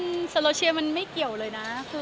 คือมันสาโลเชียไม่เกี่ยวเลยนะ